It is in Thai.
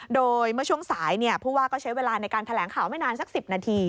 โดยเมื่อช่วงสายผู้ว่าก็ใช้เวลาในการแถลงข่าวไม่นานสัก๑๐นาที